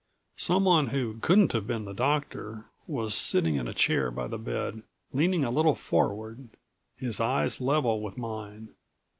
Someone who couldn't have been the doctor was sitting in a chair by the bed, leaning a little forward, his eyes level with mine.